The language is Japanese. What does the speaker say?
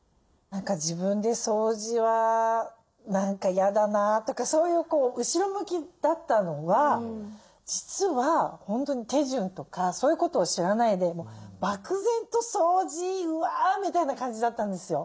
何か自分で「掃除は何か嫌だな」とかそういう後ろ向きだったのは実は本当に手順とかそういうことを知らないで漠然と「掃除うわ」みたいな感じだったんですよ